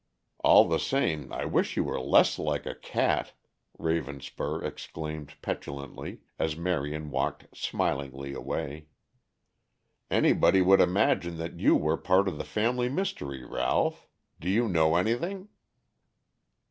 "All the same, I wish you were less like a cat," Ravenspur exclaimed petulantly, as Marion walked smilingly away. "Anybody would imagine that you were part of the family mystery. Ralph, do you know anything?"